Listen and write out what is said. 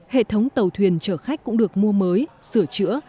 hệ thống tàu thuyền chở khách cũng được mua mới sửa chữa